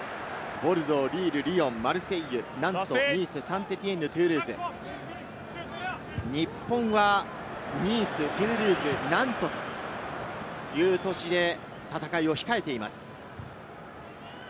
ボルドー、リール、リヨン、マルセイユ、ナント、ニース、サンテティエンヌ、トゥールーズ、日本はニース、トゥールーズ、ナントという都市で戦いを控えています。